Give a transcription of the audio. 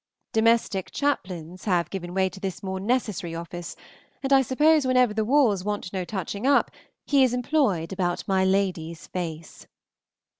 Domestic chaplains have given way to this more necessary office, and I suppose whenever the walls want no touching up he is employed about my lady's face.